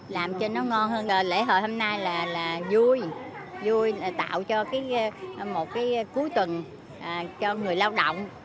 làm cho nó ngon hơn lễ hội hôm nay là vui vui tạo cho một cái cuối tuần cho người lao động